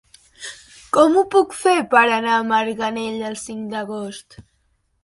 Com ho puc fer per anar a Marganell el cinc d'agost?